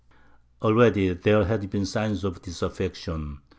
Already there had been signs of disaffection.